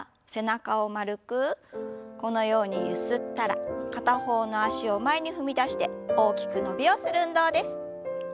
このようにゆすったら片方の脚を前に踏み出して大きく伸びをする運動です。